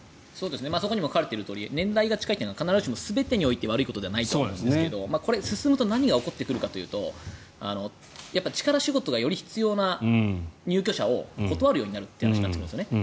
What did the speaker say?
そこにも書かれているとおり年代が近いのは必ずしも全てにおいて悪いことではないと思うんですがこれ、進むと何が起こってくるかというと力仕事がより必要な入居者を断るという話になってくるんですよね。